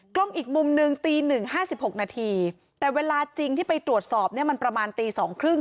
กล้องอีกมุมหนึ่งตีหนึ่งห้าสิบหกนาทีแต่เวลาจริงที่ไปตรวจสอบเนี่ยมันประมาณตี๒๓๐